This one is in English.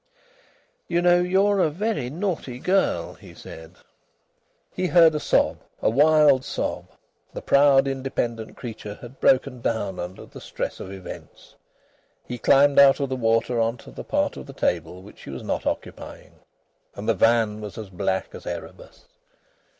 "You know you're a very naughty girl," he said. He heard a sob, a wild sob. The proud, independent creature had broken down under the stress of events. He climbed out of the water on to the part of the table which she was not occupying. And the van was as black as Erebus.